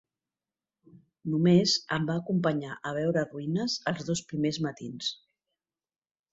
Només em va acompanyar a veure ruïnes els dos primers matins.